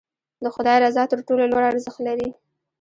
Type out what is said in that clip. د خدای رضا تر ټولو لوړ ارزښت لري.